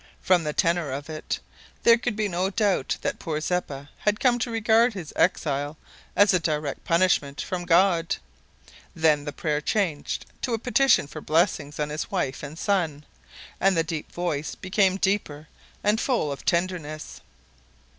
From the tenor of it, there could be no doubt that poor Zeppa had come to regard his exile as a direct punishment from God. Then the prayer changed to a petition for blessings on his wife and son and the deep voice became deeper and full of tenderness.